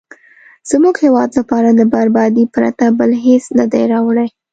زموږ هیواد لپاره له بربادۍ پرته بل هېڅ نه دي راوړي.